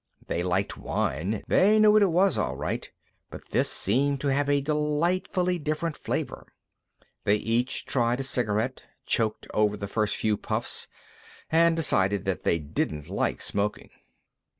They liked wine; they knew what it was, all right, but this seemed to have a delightfully different flavor. They each tried a cigarette, choked over the first few puffs, and decided that they didn't like smoking.